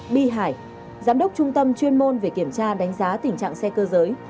bi hải giám đốc trung tâm chuyên môn về kiểm tra đánh giá tình trạng xe cơ giới